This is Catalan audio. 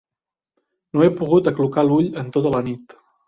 No he pogut aclucar l'ull en tota la nit.